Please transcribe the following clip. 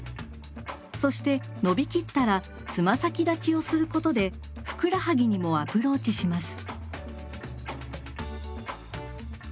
そして伸びきったら爪先立ちをすることでふくらはぎにもアプローチします。